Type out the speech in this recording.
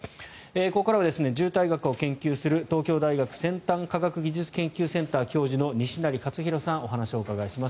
ここからは渋滞学を研究する東京大学先端科学技術研究センター教授の西成活裕さんにお話をお伺いします。